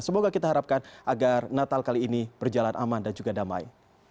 semoga kita harapkan agar natal kali ini berjalan aman dan juga damai